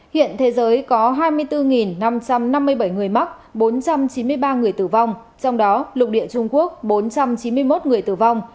hiện thế giới có hai mươi bốn năm trăm năm mươi bảy người mắc bốn trăm chín mươi ba người tử vong trong đó lục địa trung quốc bốn trăm chín mươi một người tử vong